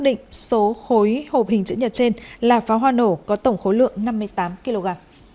mối hộp hình chữ nhật trên là pháo hoa nổ có tổng khối lượng năm mươi tám kg